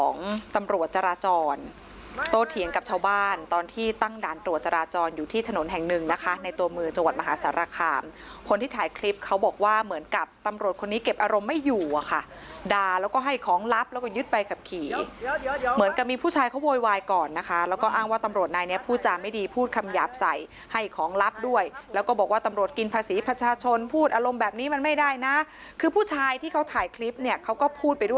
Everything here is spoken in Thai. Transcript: ของตำรวจจราจรโตเถียงกับชาวบ้านตอนที่ตั้งด่านตรวจจราจรอยู่ที่ถนนแห่ง๑นะคะในตัวมือจังหวัดมหาศาลคามคนที่ถ่ายคลิปเขาบอกว่าเหมือนกับตำรวจคนนี้เก็บอารมณ์ไม่อยู่ค่ะด่าแล้วก็ให้ของลับแล้วก็ยึดไปกับขี่เหมือนกับมีผู้ชายเขาโวยวายก่อนนะคะแล้วก็อ้างว่าตำรวจนายเนี้ยพูดจาไม่ดีพูดคำหยาบใส